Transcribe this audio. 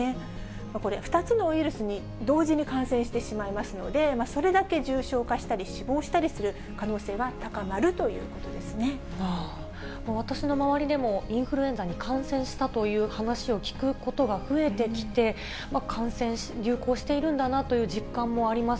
これ、２つのウイルスに同時に感染してしまいますので、それだけ重症化したり死亡したりする可能性は高まるということで私の周りでも、インフルエンザに感染したという話を聞くことが増えてきて、感染、流行しているんだなという実感もあります。